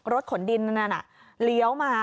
รถขนดินนั่นน่ะเลี้ยวมา